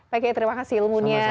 pak kei terima kasih ilmunya